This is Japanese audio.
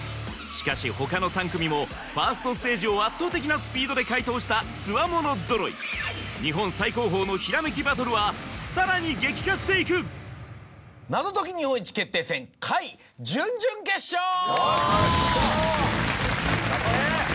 しかし他の３組も１ｓｔステージを圧倒的なスピードで解答したつわものぞろい日本最高峰のひらめきバトルはさらに激化していく『謎解き日本一決定戦Ｘ』準々決勝！